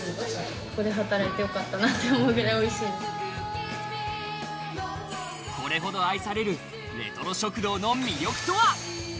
ここで働いてよかったなって思うくらいおいしこれほど愛されるレトロ食堂の魅力とは？